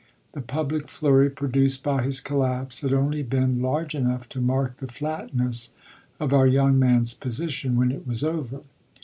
The public flurry produced by his collapse had only been large enough to mark the flatness of our young man's position when it was over.